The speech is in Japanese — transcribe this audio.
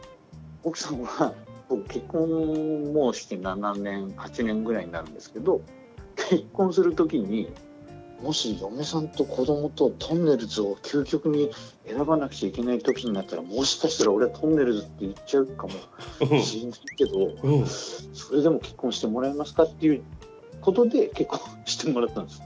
奥さんは僕結婚もうして７年８年ぐらいになるんですけど結婚する時に「もし嫁さんと子どもととんねるずを究極に選ばなくちゃいけない時になったらもしかしたら俺はとんねるずって言っちゃうかもしれないけどそれでも結婚してもらえますか？」っていうことで結婚してもらったんです。